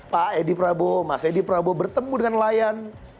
pak edi prabowo mas edi prabowo bertemu dengan nelayan